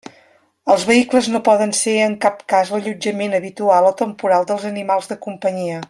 Els vehicles no poden ser en cap cas l'allotjament habitual o temporal dels animals de companyia.